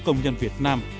công nhân việt nam